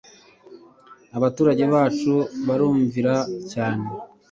Abaturage bacu barumvira cyane